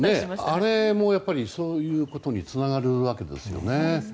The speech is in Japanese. あれもそういうことにつながるわけですね。